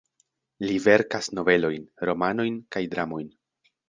Li verkas novelojn, romanojn kaj dramojn.